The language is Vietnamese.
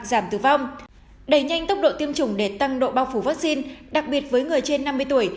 giảm tử vong đẩy nhanh tốc độ tiêm chủng để tăng độ bao phủ vaccine đặc biệt với người trên năm mươi tuổi